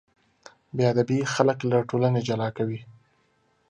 بېادبي خلک له ټولنې جلا کوي.